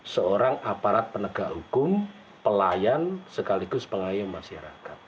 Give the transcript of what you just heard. seorang aparat penegak hukum pelayan sekaligus pengayuh masyarakat